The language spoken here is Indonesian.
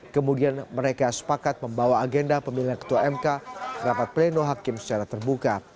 kemudian mereka sepakat membawa agenda pemilihan ketua mk rapat pleno hakim secara terbuka